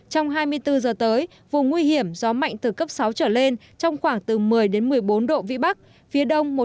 trong hai mươi bốn giờ tới vùng nguy hiểm gió mạnh từ cấp sáu trở lên trong khoảng từ một mươi đến một mươi bốn độ vĩ bắc phía đông một trăm một mươi ba độ kinh đông